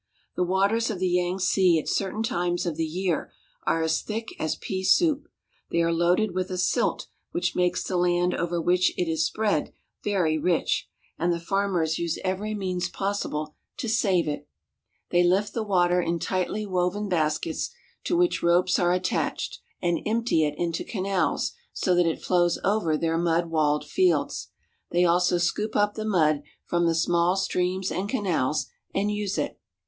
The waters of the Yangtze at certain times of the year are as thick as pea soup. They are loaded with a silt which makes the land over which it is spread very rich. CHINESE FARMS AND FARMING 157 and the farmers use every means possible to save it. They lift the water in tightly woven baskets to which ropes are attached, and empty it into canals so that it flows over their mud walled fields. They also scoop up the mud from the small streams and canals, and use it.